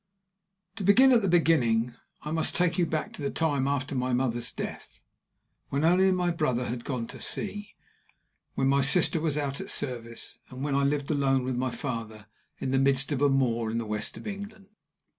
To begin at the beginning, I must take you back to the time after my mother's death, when my only brother had gone to sea, when my sister was out at service, and when I lived alone with my father in the midst of a moor in the west of England.